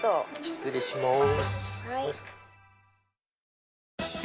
失礼します。